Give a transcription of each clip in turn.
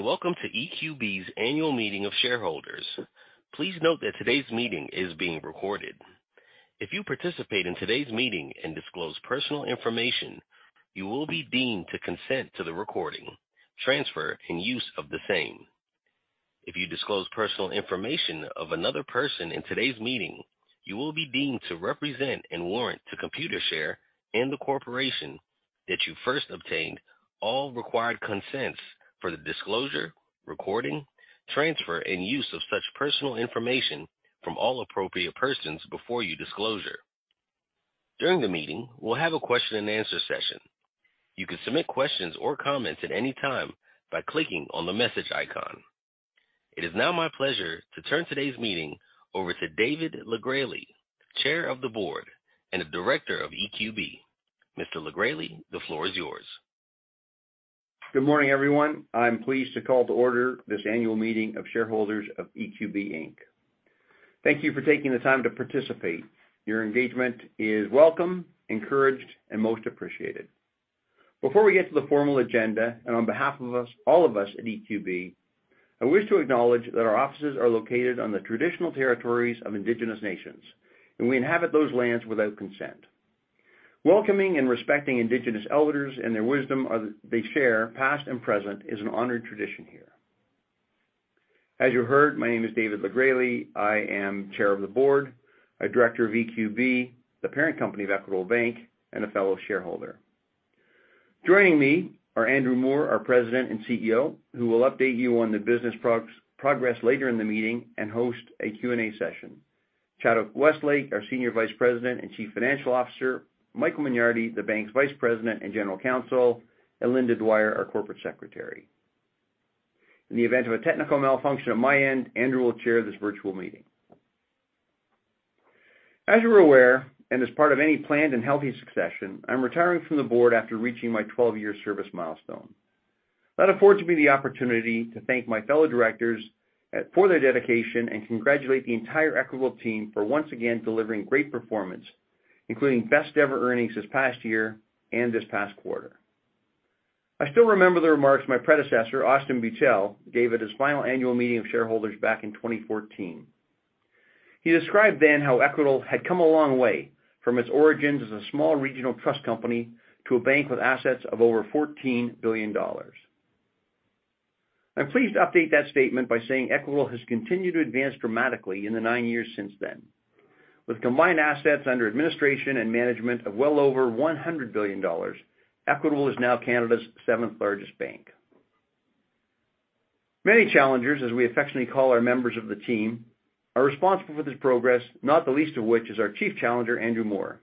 Hello, and welcome to EQB's Annual Meeting of Shareholders. Please note that today's meeting is being recorded. If you participate in today's meeting and disclose personal information, you will be deemed to consent to the recording, transfer, and use of the same. If you disclose personal information of another person in today's meeting, you will be deemed to represent and warrant to Computershare and the corporation that you first obtained all required consents for the disclosure, recording, transfer, and use of such personal information from all appropriate persons before you disclose it. During the meeting, we'll have a question and answer session. You can submit questions or comments at any time by clicking on the message icon. It is now my pleasure to turn today's meeting over to David LeGresley, Chair of the Board and Director of EQB. Mr. LeGresley, the floor is yours. Good morning, everyone. I'm pleased to call to order this annual meeting of shareholders of EQB Inc. Thank you for taking the time to participate. Your engagement is welcome, encouraged, and most appreciated. Before we get to the formal agenda, and on behalf of all of us at EQB, I wish to acknowledge that our offices are located on the traditional territories of indigenous nations, and we inhabit those lands without consent. Welcoming and respecting indigenous elders and their wisdom they share, past and present, is an honored tradition here. As you heard, my name is David LeGresley. I am Chair of the Board, a Director of EQB, the parent company of Equitable Bank, and a fellow shareholder. Joining me are Andrew Moor, our President and CEO, who will update you on the business progress later in the meeting and host a Q&A session. Chad Westlake, our Senior Vice President and Chief Financial Officer. Michael Mignardi, the Bank's Vice President and General Counsel, and Linda Dwyer, our Corporate Secretary. In the event of a technical malfunction on my end, Andrew will chair this virtual meeting. As you are aware, and as part of any planned and healthy succession, I'm retiring from the board after reaching my 12-year service milestone. That affords me the opportunity to thank my fellow directors for their dedication and congratulate the entire Equitable team for once again delivering great performance, including best ever earnings this past year and this past quarter. I still remember the remarks my predecessor, Austin Beutel, gave at his final annual meeting of shareholders back in 2014. He described then how Equitable had come a long way from its origins as a small regional trust company to a bank with assets of over 14 billion dollars. I'm pleased to update that statement by saying Equitable has continued to advance dramatically in the nine years since then. With combined assets under administration and management of well over 100 billion dollars, Equitable is now Canada's 7th largest bank. Many challengers, as we affectionately call our members of the team, are responsible for this progress, not the least of which is our Chief Challenger, Andrew Moor.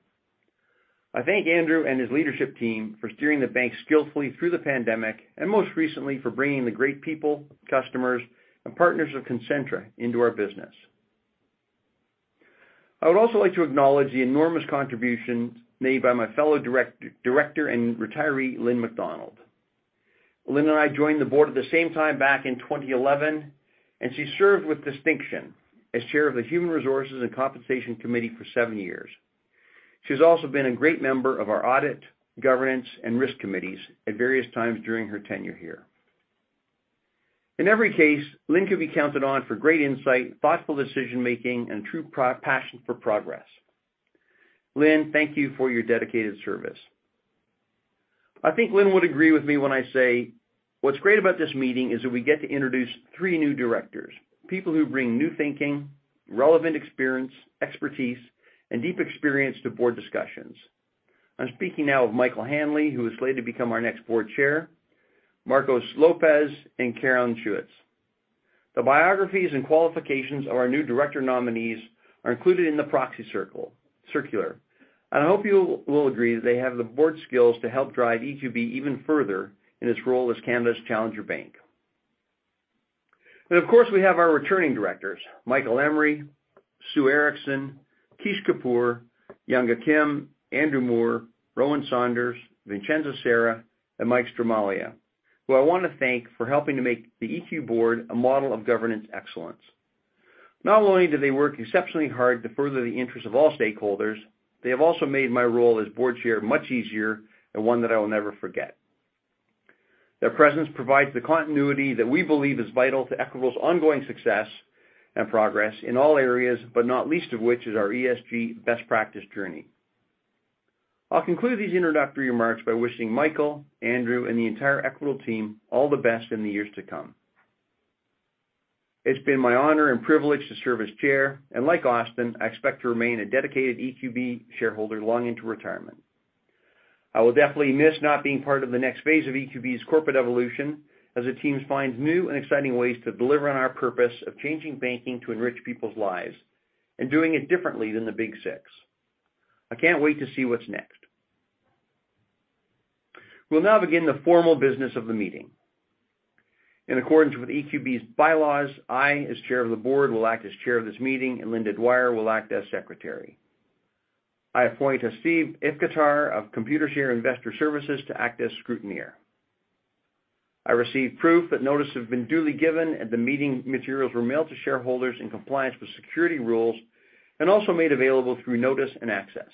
I thank Andrew and his leadership team for steering the bank skillfully through the pandemic and most recently for bringing the great people, customers, and partners of Concentra into our business. I would also like to acknowledge the enormous contribution made by my fellow direct-director and retiree, Lynn McDonald. Lynn and I joined the board at the same time back in 2011. She served with distinction as Chair of the Human Resources and Compensation Committee for seven years. She's also been a great member of our audit, governance, and risk committees at various times during her tenure here. In every case, Lynn could be counted on for great insight, thoughtful decision-making, and true passion for progress. Lynn, thank you for your dedicated service. I think Lynn would agree with me when I say what's great about this meeting is that we get to introduce three new directors, people who bring new thinking, relevant experience, expertise, and deep experience to board discussions. I'm speaking now of Michael Hanley, who is slated to become our next board chair, Marcos Lopez, and Carolyn Schuetz. The biographies and qualifications of our new director nominees are included in the proxy circular. I hope you will agree that they have the board skills to help drive EQB even further in its role as Canada's Challenger Bank. Of course, we have our returning directors, Michael Emery, Sue Erickson, Kish Kapoor, Yongah Kim, Andrew Moor, Rowan Saunders, Vincenza Sera, and Mike Stramaglia, who I want to thank for helping to make the EQ board a model of governance excellence. Not only do they work exceptionally hard to further the interest of all stakeholders, they have also made my role as board chair much easier and one that I will never forget. Their presence provides the continuity that we believe is vital to Equitable Bank's ongoing success and progress in all areas, but not least of which is our ESG best practice journey. I'll conclude these introductory remarks by wishing Michael, Andrew, and the entire Equitable Bank team all the best in the years to come. It's been my honor and privilege to serve as chair, and like Austin, I expect to remain a dedicated EQB shareholder long into retirement. I will definitely miss not being part of the next phase of EQB's corporate evolution as the teams find new and exciting ways to deliver on our purpose of changing banking to enrich people's lives and doing it differently than the Big Six. I can't wait to see what's next. We'll now begin the formal business of the meeting. In accordance with EQB's bylaws, I, as Chair of the Board, will act as Chair of this meeting, and Linda Dwyer will act as Secretary. I appoint Steve Iftikhar of Computershare Investor Services to act as scrutineer. I receive proof that notice has been duly given. Also made available through notice and access.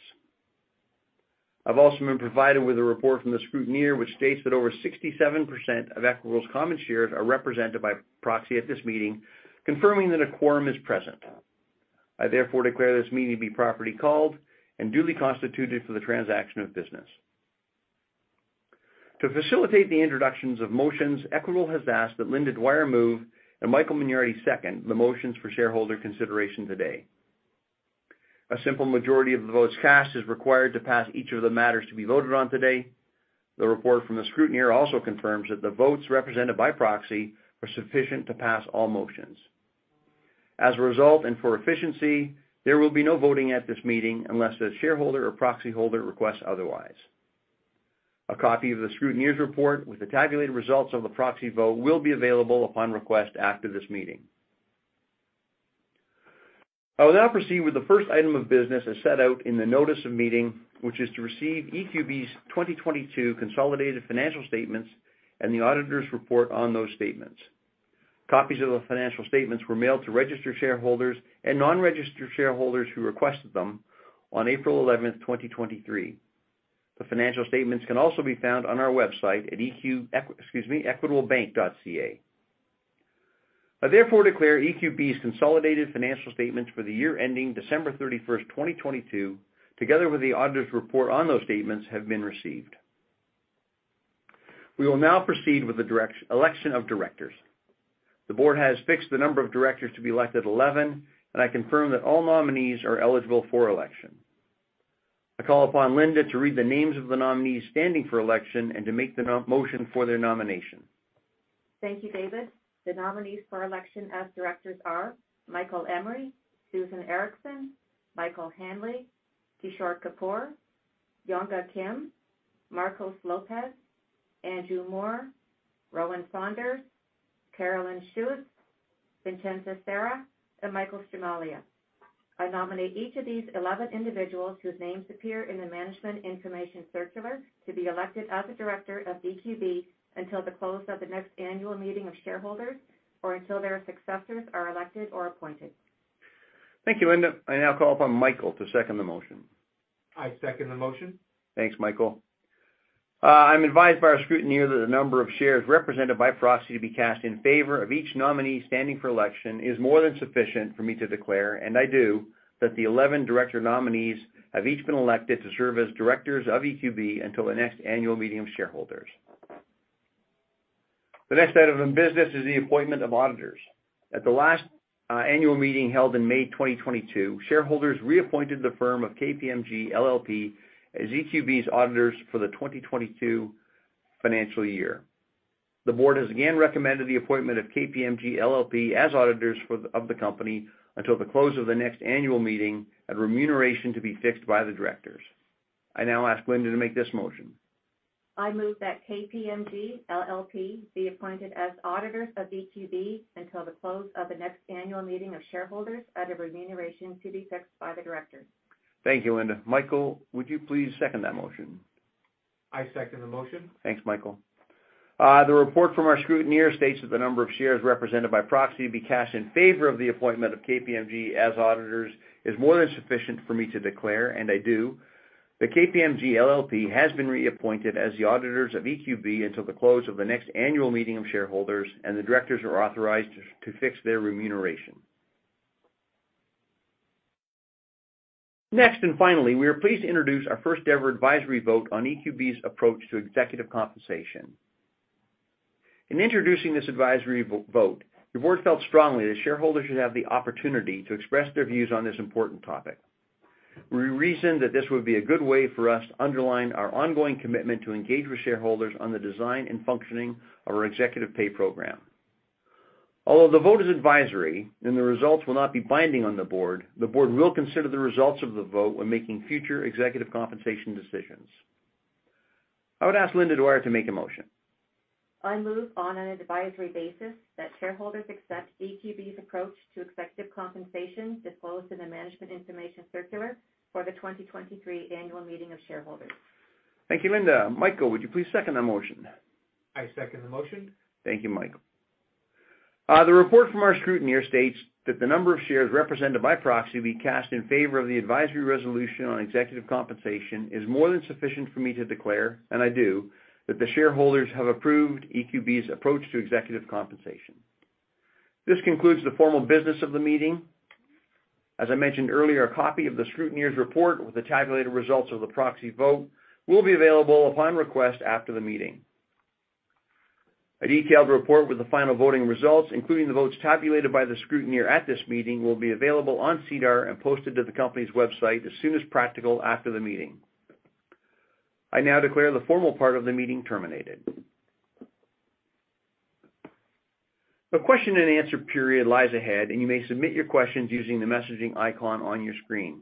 Also been provided with a report from the scrutineer which states that over 67% of Equitable's common shares are represented by proxy at this meeting, confirming that a quorum is present. I therefore declare this meeting be properly called and duly constituted for the transaction of business. To facilitate the introductions of motions, Equitable has asked that Linda Dwyer move and Michael Mignardi second the motions for shareholder consideration today. Simple majority of the votes cast is required to pass each of the matters to be voted on today. The report from the scrutineer also confirms that the votes represented by proxy are sufficient to pass all motions. As a result, for efficiency, there will be no voting at this meeting unless the shareholder or proxy holder requests otherwise. A copy of the scrutineer's report with the tabulated results of the proxy vote will be available upon request after this meeting. I will now proceed with the first item of business as set out in the notice of meeting, which is to receive EQB's 2022 consolidated financial statements and the auditor's report on those statements. Copies of the financial statements were mailed to registered shareholders and non-registered shareholders who requested them on April eleventh, 2023. The financial statements can also be found on our website at excuse me, equitablebank.ca. I therefore declare EQB's consolidated financial statements for the year ending December thirty-first, 2022, together with the auditor's report on those statements, have been received. We will now proceed with the election of directors. The board has fixed the number of directors to be elected 11, and I confirm that all nominees are eligible for election. I call upon Linda to read the names of the nominees standing for election and to make the motion for their nomination. Thank you, David. The nominees for election as directors are Michael Emery, Susan Erickson, Michael Hanley, Kishore Kapoor, Yongah Kim, Marcos Lopez, Andrew Moor, Rowan Saunders, Carolyn Schuetz, Vincenza Sera, and Michael Stramaglia. I nominate each of these 11 individuals whose names appear in the management information circular to be elected as a director of EQB until the close of the next annual meeting of shareholders or until their successors are elected or appointed. Thank you, Linda. I now call upon Michael to second the motion. I second the motion. Thanks, Michael. I'm advised by our scrutineer that the number of shares represented by proxy to be cast in favor of each nominee standing for election is more than sufficient for me to declare, and I do, that the 11 director nominees have each been elected to serve as directors of EQB until the next annual meeting of shareholders. The next item of business is the appointment of auditors. At the last annual meeting held in May 2022, shareholders reappointed the firm of KPMG LLP as EQB's auditors for the 2022 financial year. The board has again recommended the appointment of KPMG LLP as auditors of the company until the close of the next annual meeting at remuneration to be fixed by the directors. I now ask Linda to make this motion. I move that KPMG LLP be appointed as auditors of EQB until the close of the next annual meeting of shareholders at a remuneration to be fixed by the directors. Thank you, Linda. Michael, would you please second that motion? I second the motion. Thanks, Michael. The report from our scrutineer states that the number of shares represented by proxy be cast in favor of the appointment of KPMG as auditors is more than sufficient for me to declare, and I do, that KPMG LLP has been reappointed as the auditors of EQB until the close of the next annual meeting of shareholders, and the directors are authorized to fix their remuneration. Next, finally, we are pleased to introduce our first-ever advisory vote on EQB's approach to executive compensation. In introducing this advisory vote, the board felt strongly that shareholders should have the opportunity to express their views on this important topic. We reasoned that this would be a good way for us to underline our ongoing commitment to engage with shareholders on the design and functioning of our executive pay program. Although the vote is advisory and the results will not be binding on the board, the board will consider the results of the vote when making future executive compensation decisions. I would ask Linda Dwyer to make a motion. I move on an advisory basis that shareholders accept EQB's approach to executive compensation disclosed in the management information circular for the 2023 annual meeting of shareholders. Thank you, Linda. Michael, would you please second that motion? I second the motion. Thank you, Michael. The report from our scrutineer states that the number of shares represented by proxy be cast in favor of the advisory resolution on executive compensation is more than sufficient for me to declare, and I do, that the shareholders have approved EQB's approach to executive compensation. This concludes the formal business of the meeting. As I mentioned earlier, a copy of the scrutineer's report with the tabulated results of the proxy vote will be available upon request after the meeting. A detailed report with the final voting results, including the votes tabulated by the scrutineer at this meeting, will be available on SEDAR and posted to the company's website as soon as practical after the meeting. I now declare the formal part of the meeting terminated. A question and answer period lies ahead, you may submit your questions using the messaging icon on your screen.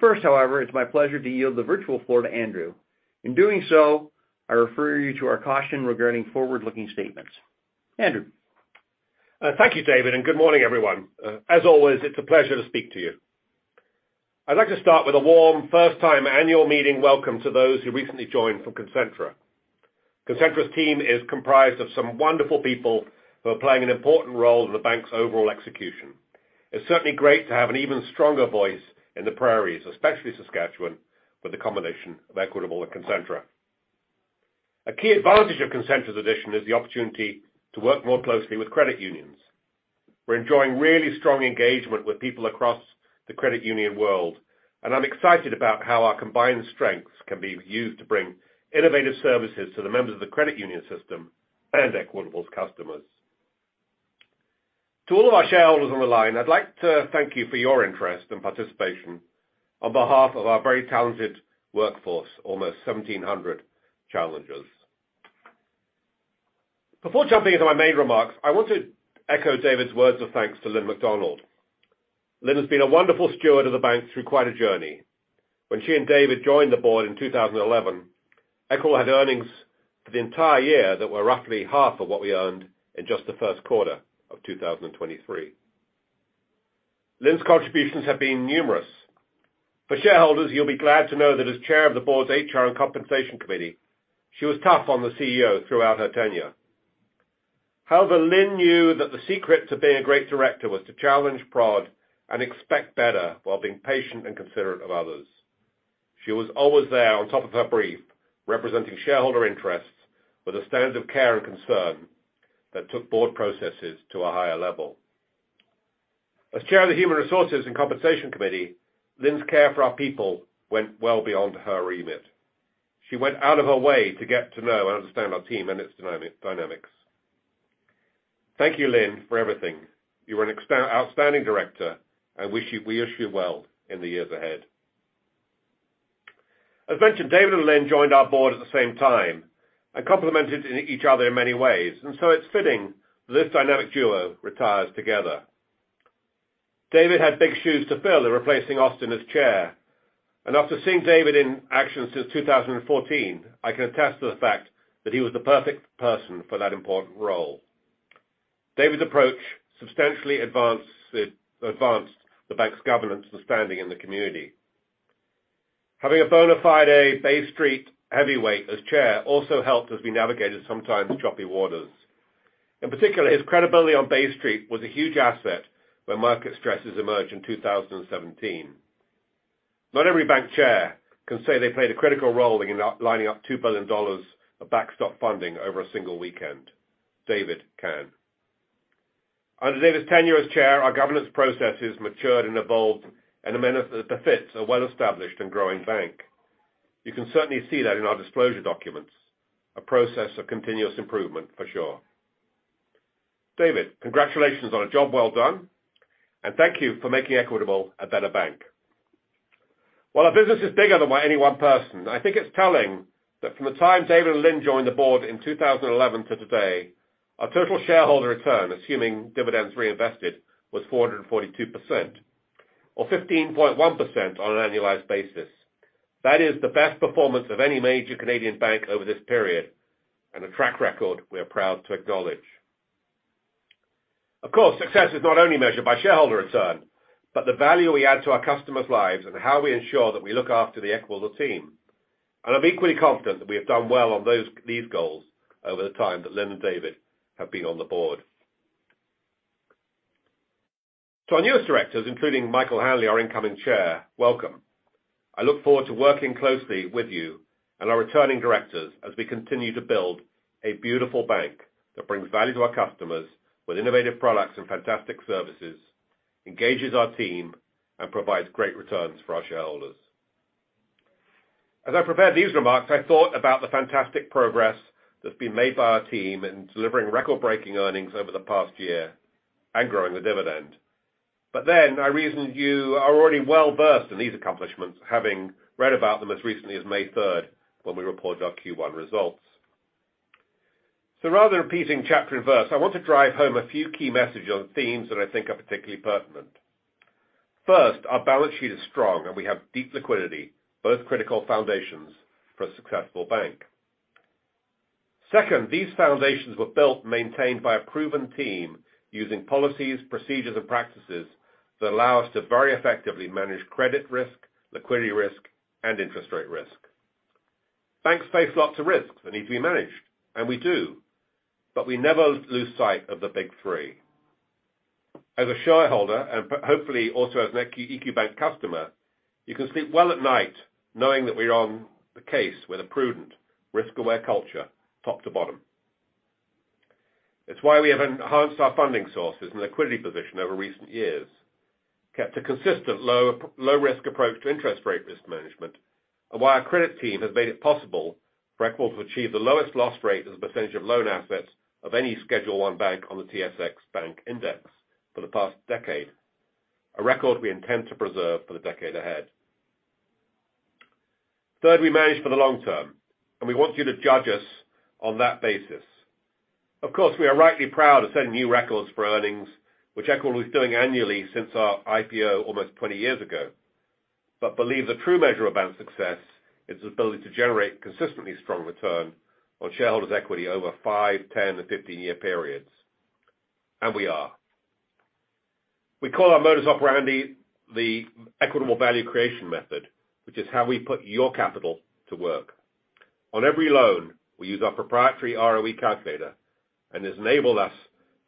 First, however, it's my pleasure to yield the virtual floor to Andrew. In doing so, I refer you to our caution regarding forward-looking statements. Andrew? Thank you, David, good morning, everyone. As always, it's a pleasure to speak to you. I'd like to start with a warm first-time annual meeting welcome to those who recently joined from Concentra. Concentra's team is comprised of some wonderful people who are playing an important role in the bank's overall execution. It's certainly great to have an even stronger voice in the prairies, especially Saskatchewan, with the combination of Equitable and Concentra. A key advantage of Concentra's addition is the opportunity to work more closely with credit unions. We're enjoying really strong engagement with people across the credit union world, and I'm excited about how our combined strengths can be used to bring innovative services to the members of the credit union system and Equitable's customers. To all of our shareholders on the line, I'd like to thank you for your interest and participation on behalf of our very talented workforce, almost 1,700 challengers. Before jumping into my main remarks, I want to echo David's words of thanks to Lynn McDonald. Lynn has been a wonderful steward of the bank through quite a journey. When she and David joined the board in 2011, EQB had earnings for the entire year that were roughly half of what we earned in just the first quarter of 2023. Lynn's contributions have been numerous. For shareholders, you'll be glad to know that as Chair of the board's HR and Compensation Committee, she was tough on the CEO throughout her tenure. However, Lynn knew that the secret to being a great director was to challenge, prod, and expect better while being patient and considerate of others. She was always there on top of her brief, representing shareholder interests with a standard of care and concern that took board processes to a higher level. As Chair of the Human Resources and Compensation Committee, Lynn's care for our people went well beyond her remit. She went out of her way to get to know and understand our team and its dynamics. Thank you, Lynn, for everything. You were an outstanding director, and we wish you well in the years ahead. As mentioned, David and Lynn joined our board at the same time and complemented each other in many ways. It's fitting this dynamic duo retires together. David had big shoes to fill in replacing Austin as chair. After seeing David in action since 2014, I can attest to the fact that he was the perfect person for that important role. David's approach substantially advanced the bank's governance and standing in the community. Having a bona fide Bay Street heavyweight as chair also helped as we navigated sometimes choppy waters. In particular, his credibility on Bay Street was a huge asset when market stresses emerged in 2017. Not every bank chair can say they played a critical role in lining up 2 billion dollars of backstop funding over a single weekend. David can. Under David's tenure as chair, our governance processes matured and evolved and amend as it befits a well-established and growing bank. You can certainly see that in our disclosure documents, a process of continuous improvement for sure. David, congratulations on a job well done, and thank you for making Equitable a better bank. While our business is bigger than by any one person, I think it's telling that from the time David and Lynn joined the board in 2011 to today, our total shareholder return, assuming dividends reinvested, was 442% or 15.1% on an annualized basis. That is the best performance of any major Canadian bank over this period and a track record we are proud to acknowledge. Of course, success is not only measured by shareholder return, but the value we add to our customers' lives and how we ensure that we look after the EQ team. I'm equally confident that we have done well on these goals over the time that Lynn and David have been on the board. To our newest directors, including Michael Hanley, our incoming Chair, welcome. I look forward to working closely with you and our returning directors as we continue to build a beautiful bank that brings value to our customers with innovative products and fantastic services, engages our team, and provides great returns for our shareholders. As I prepared these remarks, I thought about the fantastic progress that's been made by our team in delivering record-breaking earnings over the past year and growing the dividend. I reasoned you are already well-versed in these accomplishments, having read about them as recently as May third when we reported our Q1 results. Rather than repeating chapter and verse, I want to drive home a few key messages on themes that I think are particularly pertinent. First, our balance sheet is strong, and we have deep liquidity, both critical foundations for a successful bank. Second, these foundations were built and maintained by a proven team using policies, procedures, and practices that allow us to very effectively manage credit risk, liquidity risk, and interest rate risk. Banks face lots of risks that need to be managed, and we do, but we never lose sight of the big three. As a shareholder, and hopefully also as an EQ Bank customer, you can sleep well at night knowing that we are on the case with a prudent risk-aware culture, top to bottom. It's why we have enhanced our funding sources and liquidity position over recent years, kept a consistent low, low risk approach to interest rate risk management, and why our credit team has made it possible for Equitable to achieve the lowest loss rate as a percentage of loan assets of any Schedule I bank on the S&P/TSX Banks Index for the past decade, a record we intend to preserve for the decade ahead. Third, we manage for the long term, and we want you to judge us on that basis. Of course, we are rightly proud of setting new records for earnings, which Equitable is doing annually since our IPO almost 20 years ago. Believe the true measure of our success is the ability to generate consistently strong return on shareholders' equity over 5, 10, and 15-year periods. We are. We call our modus operandi the equitable value creation method, which is how we put your capital to work. On every loan, we use our proprietary ROE calculator and has enabled us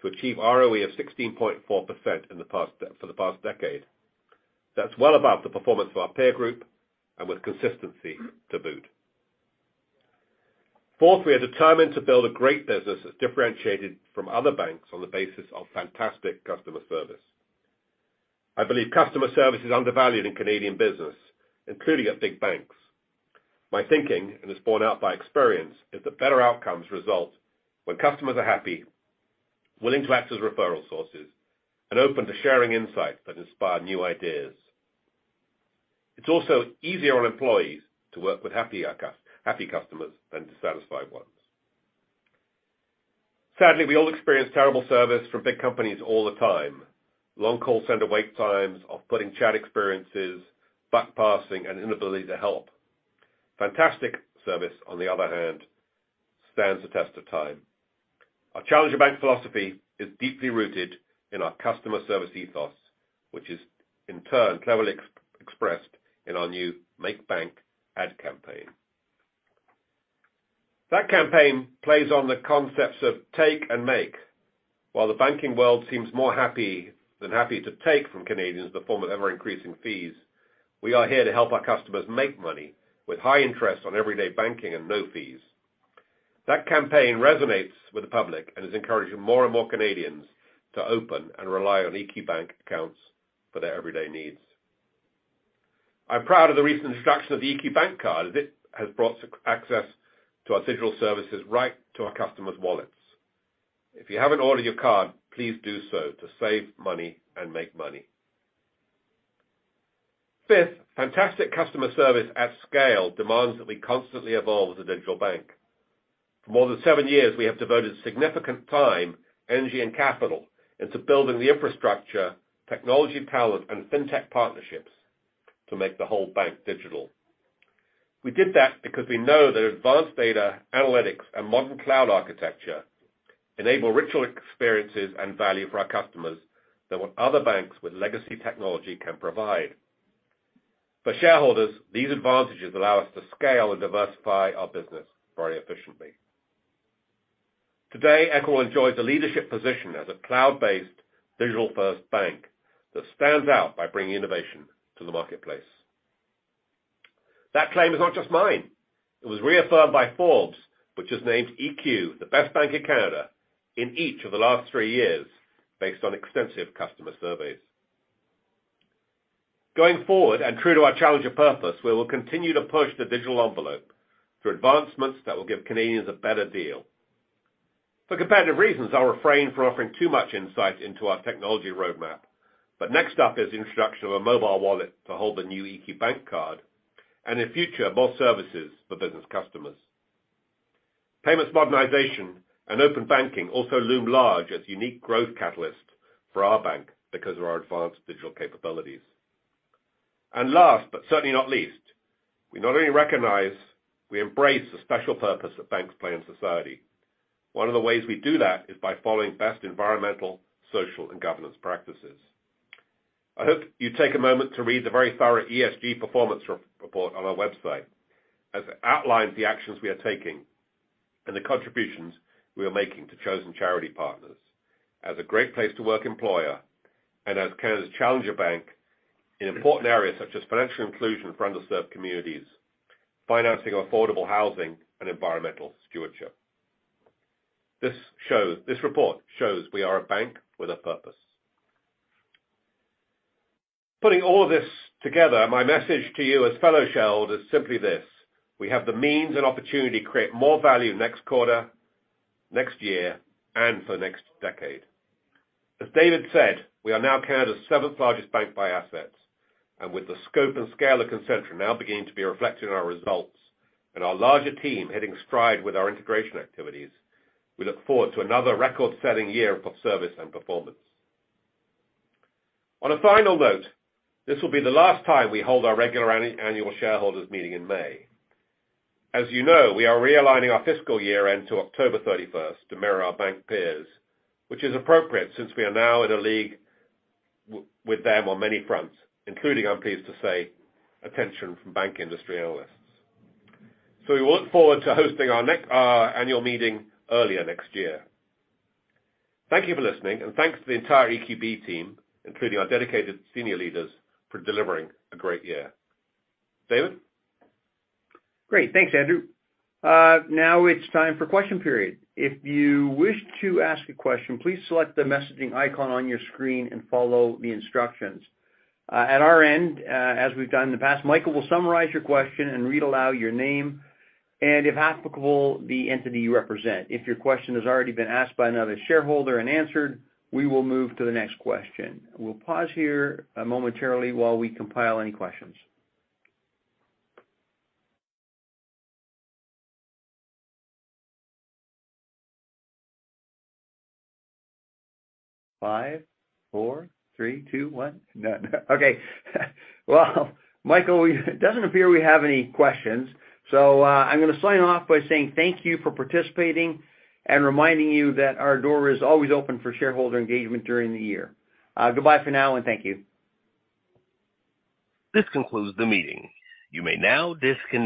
to achieve ROE of 16.4% for the past decade. That's well above the performance of our peer group and with consistency to boot. Fourth, we are determined to build a great business that's differentiated from other banks on the basis of fantastic customer service. I believe customer service is undervalued in Canadian business, including at big banks. My thinking, and it's borne out by experience, is that better outcomes result when customers are happy, willing to act as referral sources, and open to sharing insights that inspire new ideas. It's also easier on employees to work with happy customers than dissatisfied ones. Sadly, we all experience terrible service from big companies all the time. Long call center wait times, off-putting chat experiences, back passing, and inability to help. Fantastic service, on the other hand, stands the test of time. Our Challenger Bank philosophy is deeply rooted in our customer service ethos, which is in turn cleverly expressed in our new Make Bank ad campaign. That campaign plays on the concepts of take and make. While the banking world seems more than happy to take from Canadians the form of ever-increasing fees, we are here to help our customers make money with high interest on everyday banking and no fees. That campaign resonates with the public and is encouraging more and more Canadians to open and rely on EQ Bank accounts for their everyday needs. I'm proud of the recent introduction of the EQ Bank Card, as it has brought access to our digital services right to our customers' wallets. If you haven't ordered your card, please do so to save money and make money. Fifth, fantastic customer service at scale demands that we constantly evolve as a digital bank. For more than seven years, we have devoted significant time, energy, and capital into building the infrastructure, technology talent, and fintech partnerships to make the whole bank digital. We did that because we know that advanced data analytics and modern cloud architecture enable richer experiences and value for our customers than what other banks with legacy technology can provide. For shareholders, these advantages allow us to scale and diversify our business very efficiently. Today, EQB enjoys a leadership position as a cloud-based digital-first bank that stands out by bringing innovation to the marketplace. That claim is not just mine. It was reaffirmed by Forbes, which has named EQ Bank the best bank in Canada in each of the last three years based on extensive customer surveys. Going forward, true to our challenger purpose, we will continue to push the digital envelope through advancements that will give Canadians a better deal. For competitive reasons, I'll refrain from offering too much insight into our technology roadmap, but next up is the introduction of a mobile wallet to hold the new EQ Bank Card, and in future, more services for business customers. Payments modernization and open banking also loom large as unique growth catalysts for our bank because of our advanced digital capabilities. Last, but certainly not least, we not only recognize, we embrace the special purpose that banks play in society. One of the ways we do that is by following best environmental, social, and governance practices. I hope you take a moment to read the very thorough ESG performance re-report on our website, as it outlines the actions we are taking and the contributions we are making to chosen charity partners as a great place to work employer and as Canada's Challenger Bank in important areas such as financial inclusion for underserved communities, financing affordable housing, and environmental stewardship. This report shows we are a bank with a purpose. Putting all this together, my message to you as fellow shareholders is simply this: We have the means and opportunity to create more value next quarter, next year, and for the next decade. As David said, we are now Canada's 7th-largest bank by assets, and with the scope and scale of Concentra now beginning to be reflected in our results and our larger team hitting stride with our integration activities, we look forward to another record-setting year of service and performance. On a final note, this will be the last time we hold our regular annual shareholders meeting in May. As you know, we are realigning our fiscal year-end to October 31st to mirror our bank peers, which is appropriate since we are now in a league with them on many fronts, including, I'm pleased to say, attention from bank industry analysts. We look forward to hosting our next annual meeting earlier next year. Thank you for listening, and thanks to the entire EQB team, including our dedicated senior leaders, for delivering a great year. David? Great. Thanks, Andrew. Now it's time for question period. If you wish to ask a question, please select the messaging icon on your screen and follow the instructions. At our end, as we've done in the past, Michael will summarize your question and read aloud your name, and if applicable, the entity you represent. If your question has already been asked by another shareholder and answered, we will move to the next question. We'll pause here momentarily while we compile any questions. Five, four, three, two, one. None. Okay. Well, Michael, it doesn't appear we have any questions. I'm gonna sign off by saying thank you for participating and reminding you that our door is always open for shareholder engagement during the year. Goodbye for now, thank you. This concludes the meeting. You may now disconnect.